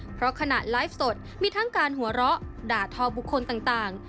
เพราะขณะไลฟ์สดมีทั้งการหัวเราะด่าทอบุคคลต่าง